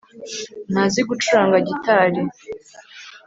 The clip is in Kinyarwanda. ntazi gucuranga gitari